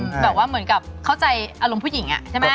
เหมือนกับเข้าใจอารมณ์ผู้หญิงใช่ไหม